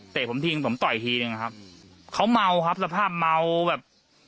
ผมทิ้งผมต่อยทีนึงอะครับเขาเมาครับสภาพเมาแบบ